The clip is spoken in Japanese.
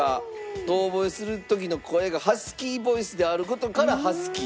遠ぼえする時の声がハスキーボイスである事からハスキー。